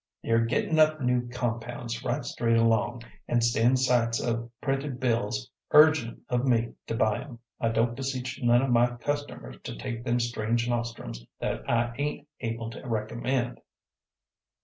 "They're gittin' up new compounds right straight along, and sends sights o' printed bills urgin' of me to buy 'em. I don't beseech none o' my customers to take them strange nostrums that I ain't able to recommend."